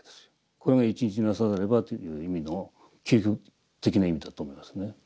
これが「一日作さざれば」という意味の究極的な意味だと思いますね。